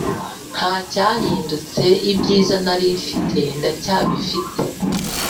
Ntacyahindutse ibyizi narimfite ndacyabifite